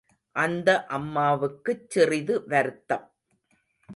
அந்த அம்மாவுக்குச் சிறிது வருத்தம்.